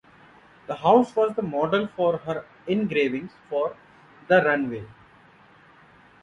The house was the model for her engravings for "The Runaway".